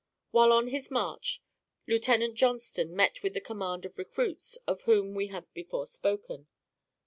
While on his march, Lieutenant Johnston met with the command of recruits of whom we have before spoken.